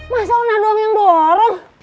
masa udah doang yang dorong